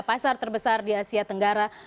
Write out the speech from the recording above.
pasar terbesar di asia tenggara